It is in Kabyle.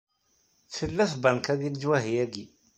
Tella tbanka deg leǧwahi-agi?